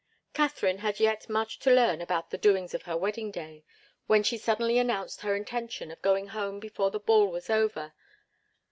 Katharine had yet much to learn about the doings on her wedding day, when she suddenly announced her intention of going home before the ball was half over.